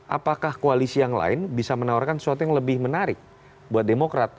apakah koalisi yang lain bisa menawarkan sesuatu yang lebih menarik buat demokrat